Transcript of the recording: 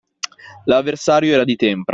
L’avversario era di tempra.